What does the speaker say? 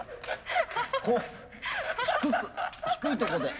低く低いとこで。